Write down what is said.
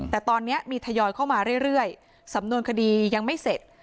แต่ตอนนี้มีทยอยเข้ามาเรื่อยสำนวนคดียังไม่เสร็จ